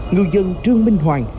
ngư dân trương minh hoàng